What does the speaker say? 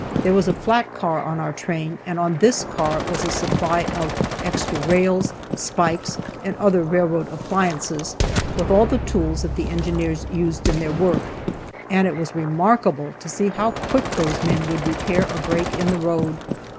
There was a flat car with our train, and on this car was a supply of extra rails, spikes, and other railroad appliances, with all the tools that the engineers used in their work, and it was remarkable to see how quick those men would repair a break in the road.